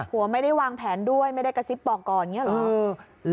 ไม่ได้วางแผนด้วยไม่ได้กระซิบบอกก่อนอย่างนี้หรอ